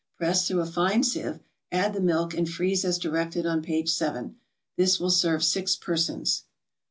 Press through a fine sieve, add the milk, and freeze as directed on page 7. This will serve six persons.